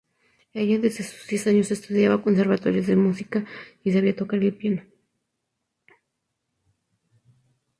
Ella desde sus diez años estudiaba conservatorios de música y sabía tocar el piano.